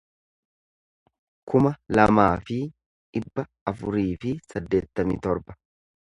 kuma lamaa fi dhibba afurii fi saddeettamii torba